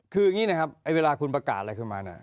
คืออย่างนี้นะครับเวลาคุณประกาศอะไรขึ้นมาเนี่ย